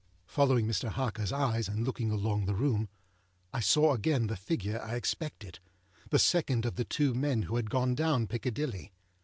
â Following Mr. Harkerâs eyes, and looking along the room, I saw again the figure I expected, âthe second of the two men who had gone down Piccadilly.